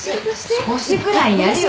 少しぐらいやるよ